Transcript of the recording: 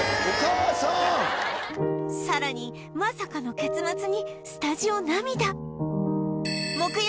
さらにまさかの結末にスタジオ涙